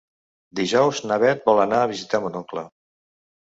Dijous na Bet vol anar a visitar mon oncle.